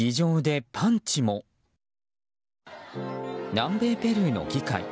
南米ペルーの議会。